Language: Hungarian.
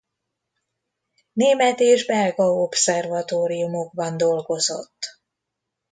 Német és belga obszervatóriumokban dolgozott.